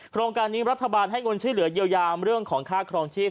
โครงการนี้รัฐบาลให้เงินช่วยเหลือเยียวยาเรื่องของค่าครองชีพ